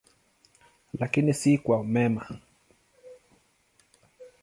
Lakini si kwa mema.